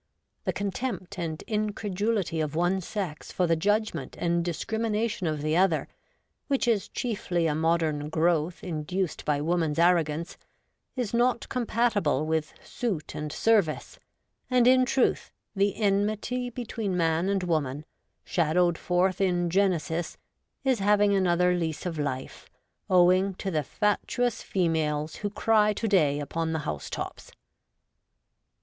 The contempt and incredulity of one sex for the judgment and discrimination of the other, which is chiefly a modern growth induced by woman's arrogance, is not compatible with suit and service ; and, in truth, the enmity between man and woman, shadowed forth in Genesis, is having another lease of life, owing to the fatuous females who cry to day upon the house tops.